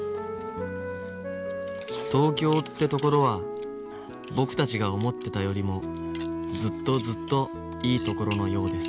東京ってところは僕たちが思ってたよりもずっとずっといいところのようです